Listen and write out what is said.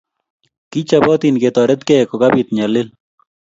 Kichopotin ketoretkei kokapit nyalil